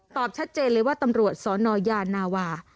ชัดเจนเลยว่าตำรวจสนยานาวา